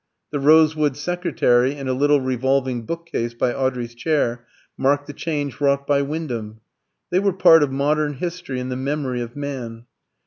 The rosewood secretary and a little revolving book case by Audrey's chair marked the change wrought by Wyndham. They were part of modern history and the memory of man.